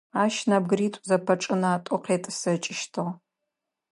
Ащ нэбгыритӏу зэпэчӏынатӏэу къетӏысэкӏыщтыгъ.